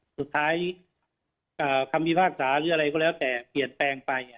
สุดท้ายคำพิพากษาหรืออะไรก็แล้วแต่เปลี่ยนแปลงไป